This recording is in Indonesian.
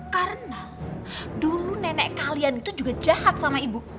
karena dulu nenek kalian itu juga jahat sama ibu